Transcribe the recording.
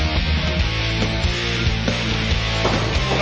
พร้อมหรือยัง